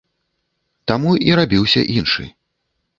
Таму і рабіўся іншы.